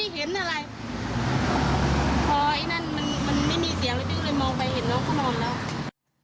พอไอ้นั่นมันมันไม่มีเสียงเลยพี่ก็เลยมองไปเห็นแล้วเขานอนแล้ว